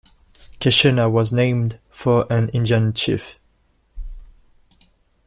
Keshena was named for an Indian chief.